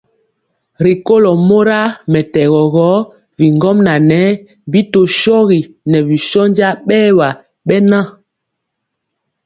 Rikólo mora mɛtɛgɔ gɔ bigɔmŋa ŋɛɛ bi tɔ shogi ŋɛɛ bi shónja bɛɛwa bɛnja.